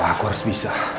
aku harus bisa